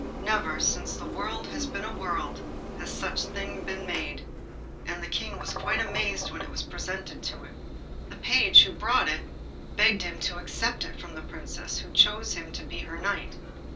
Never, since the world has been a world, had such a thing been made, and the King was quite amazed when it was presented to him. The page who brought it begged him to accept it from the Princess, who chose him to be her knight.